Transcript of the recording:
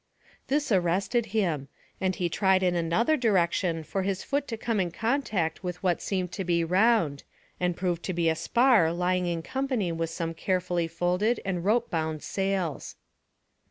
This arrested him, and he tried in another direction for his foot to come in contact with what seemed to be round, and proved to be a spar lying in company with some carefully folded and rope bound sails.